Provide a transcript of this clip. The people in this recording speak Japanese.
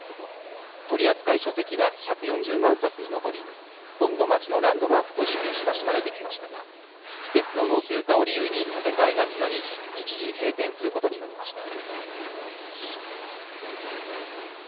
取り扱い書籍は１４０万冊に上り本の街のランドマークとして親しまれてきましたが施設の老朽化を理由に建て替えが決まり一時閉店することになりました。